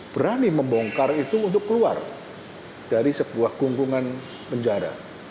berani membongkar itu untuk keluar dari sebuah gungkungan penjara